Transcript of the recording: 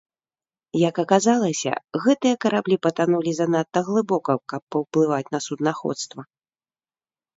Як аказалася гэтыя караблі патанулі занадта глыбока, каб паўплываць на суднаходства.